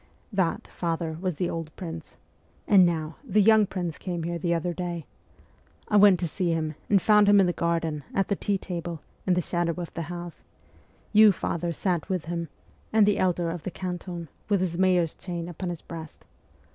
That, father, was under the old prince. And now, the young prince came here the other day. I went to see him, and found him in the garden, at the tea table, in the shadow of the house ; you, father, sat with him, and VOL. I. M 162 MEMOIRS OF A REVOLUTIONIST the elder of the canton, with his mayor's chain upon his breast.